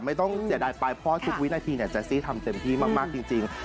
ไม่ต้องเสียดายไปเพราะทุกวินาทีเนี่ยแจ๊ซี่ทำเต็มที่มากจริง